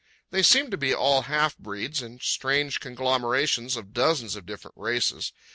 They seem to be all half breeds and strange conglomerations of dozens of different races.